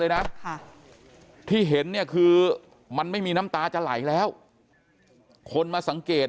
นะที่เห็นเนี่ยคือมันไม่มีน้ำตาจะไหลแล้วคนมาสังเกต